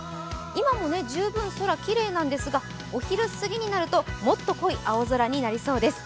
今も十分、空きれいなんですが、お昼すぎになるともっと濃い青空になりそうです。